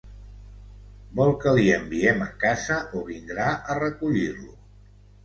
Vol que li enviem a casa o vindrà a recollir-lo?